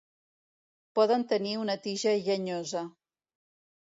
Poden tenir una tija llenyosa.